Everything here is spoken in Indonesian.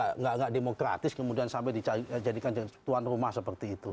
yang kalau gak demokratis kemudian sampai dijadikan tuan rumah seperti itu